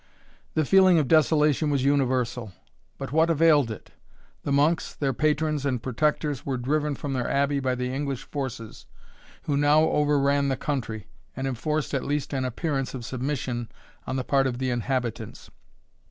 The feeling of desolation was universal; but what availed it? The monks, their patrons and protectors, were driven from their Abbey by the English forces, who now overran the country, and enforced at least an appearance of submission on the part of the inhabitants.